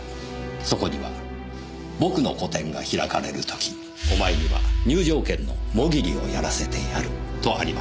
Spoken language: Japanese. そこには「僕の個展が開かれるときお前には入場券のモギリをやらせてやる」とありました。